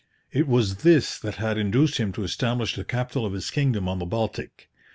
It was this that had induced him to establish the capital of his kingdom on the Baltic.